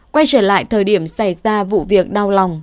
quay trở lại thời điểm xảy ra vụ việc đau lòng